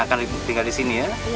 enak kan tinggal di sini ya